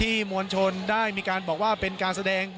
แล้วก็ยังมวลชนบางส่วนนะครับตอนนี้ก็ได้ทยอยกลับบ้านด้วยรถจักรยานยนต์ก็มีนะครับ